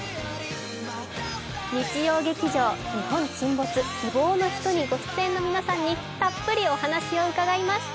日曜劇場「日本沈没希望の人」にご出演の皆さんにたっぷりお話を伺います。